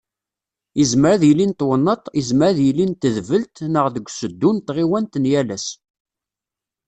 Yezmer ad yili n twennaḍt, yezmer ad yili n tedbelt neɣ deg useddu n tɣiwant n yal ass.